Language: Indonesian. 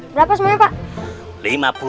berapa semuanya pak